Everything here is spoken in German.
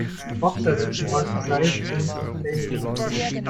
Boxer setzen häufig Seilspringen zum Training ein.